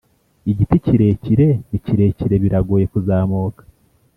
igiti kirekire ni kirekire, biragoye kuzamuka.